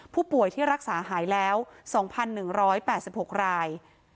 ผู้ป่วยที่รักษาหายแล้ว๒๑๘๖ราย